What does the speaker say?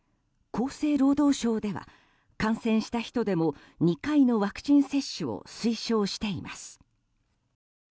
厚生労働省では感染した人でも２回のワクチン接種を推奨しています。